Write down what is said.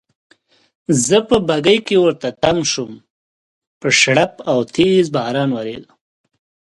زه په بګۍ کې ورته تم شوم، په شړپ او تېز باران وریده.